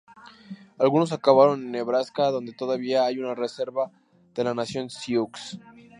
Algunos acabaron en Nebraska donde todavía hay una reserva de la Nación Sioux.